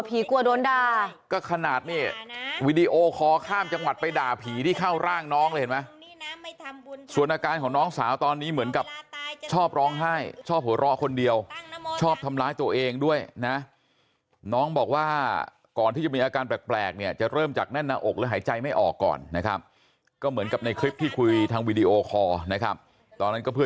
กลัวโดนด่าก็ขนาดนี่วีดีโอคอลข้ามจังหวัดไปด่าผีที่เข้าร่างน้องเลยเห็นไหมส่วนอาการของน้องสาวตอนนี้เหมือนกับชอบร้องไห้ชอบหัวเราะคนเดียวชอบทำร้ายตัวเองด้วยนะน้องบอกว่าก่อนที่จะมีอาการแปลกเนี่ยจะเริ่มจากแน่นหน้าอกแล้วหายใจไม่ออกก่อนนะครับก็เหมือนกับในคลิปที่คุยทางวีดีโอคอร์นะครับตอนนั้นก็เพื่อ